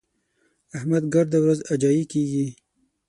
احمد ګرده ورځ اجايي کېږي.